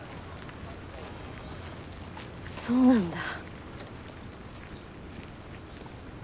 そうなんだ。